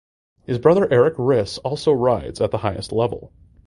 His brother Erik Riss also rides at the highest level.